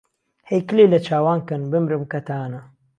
ههی کلهی له چاوان کهن، بمرم کهتانه